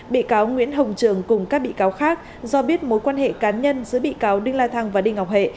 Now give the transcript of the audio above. bị cáo nguyễn hồng trường cùng các bị cáo khác do biết mối quan hệ cá nhân giữa bị cáo đinh la thăng và đinh ngọc hệ